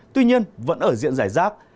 tuy nhiên vẫn ở diện giải rác